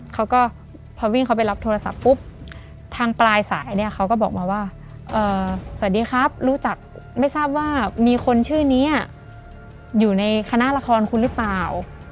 เขาก็พอวิ่งเขาไปรับโทรศัพท์ปุ๊บทางปลายสายเนี่ยเขาก็บอกมาว่าสวัสดีครับรู้จักไม่ทราบว่ามีคนชื่อนี้อยู่ในคณะละครคุณหรือเปล่า